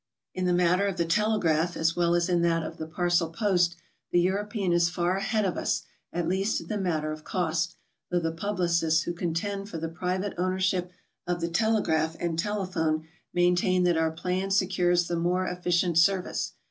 In the matter of the telegraph, as well as in that of the parcel post, the European is far ahead of us, at least in the matter of cost, though the publicists who contend for the private cxwnership of the telegraph and telephone maintain that our plan secures the more efficient service.